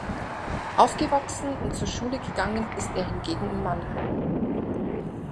Aufgewachsen und zur Schule gegangen ist er hingegen in Mannheim.